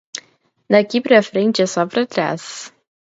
Daqui para frente é só para trás.